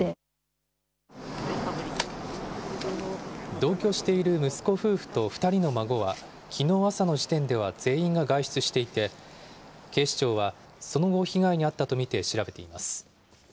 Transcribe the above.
同居している息子夫婦と２人の孫は、きのう朝の時点では全員が外出していて、警視庁は、その後被害に遭ったと見て調べています。